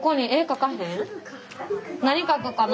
何描くかな。